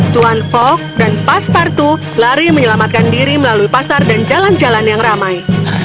tuan fok dan pas partu lari menyelamatkan diri melalui pasar dan jalan jalan yang ramai